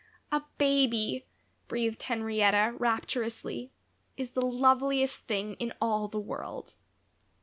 "A baby," breathed Henrietta, rapturously, "is the loveliest thing in all the world.